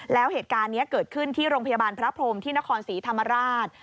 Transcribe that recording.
แล้วเหตุการณ์นี้เกิดขึ้นที่โรงพยาบาลพระพรมที่นครศรีธรรมราช